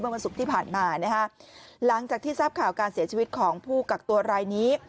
วันศุกร์ที่ผ่านมานะฮะหลังจากที่ทราบข่าวการเสียชีวิตของผู้กักตัวรายนี้